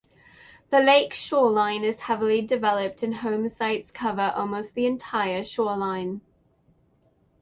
The lake shoreline is heavily developed and homesites cover almost the entire shoreline.